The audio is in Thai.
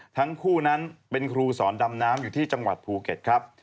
ทั้งคู่นั้นเป็นครูสอนดำน้ำอยู่ที่จังหวัดภูเก็ตครับ